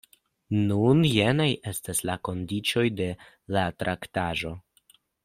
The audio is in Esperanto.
Nun, jenaj estas la kondiĉoj de la traktaĵo.